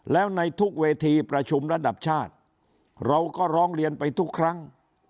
แล้วในทุกเวทีประชุมระดับชาติเราก็ร้องเรียนไปทุกครั้ง